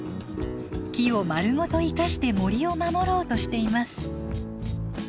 木をまるごと生かして森を守ろうとしています。